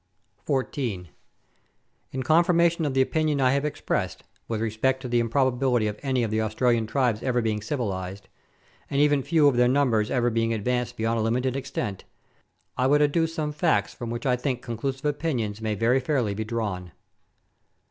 14. In confirmation of the opinion I have expressed, with respect to the improbability of any of the Australian tribes ever being civilized, and even few of their numbers ever being advanced beyond a limited extent, I would adduce some facts from which I think conclusive opinions may very fairly be drawn.